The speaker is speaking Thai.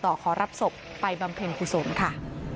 ต่อขอรับศพไปบำเพ็ญคุณสมค่ะ